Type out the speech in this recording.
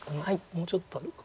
もうちょっとあるか。